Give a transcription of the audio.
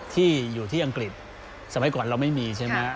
ที่อยู่ที่อังกฤษสมัยก่อนเราไม่มีใช่ไหม